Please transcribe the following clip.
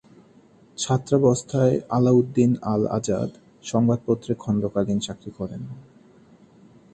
ছাত্রাবস্থায় আলাউদ্দিন আল আজাদ সংবাদপত্রে খন্ডকালীন চাকরি করেন।